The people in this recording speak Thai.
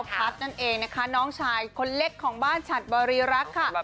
พัฒน์นั่นเองนะคะน้องชายคนเล็กของบ้านฉัดบริรักษ์ค่ะ